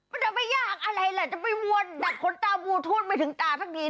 มันจะไม่ยากอะไรแหละจะไม่มวนดัดขนตาบูทูตไปถึงตาทั้งนี้